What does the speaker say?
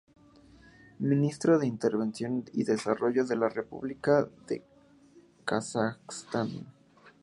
Ministro de Inversiones y Desarrollo de la República de Kazajstán.